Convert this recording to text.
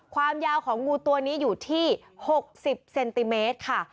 ความยาวของงูตัวนี้อยู่ที่๖๐เซนติเมตรค่ะ